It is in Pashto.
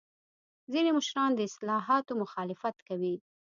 ځینې مشران د اصلاحاتو مخالفت کوي.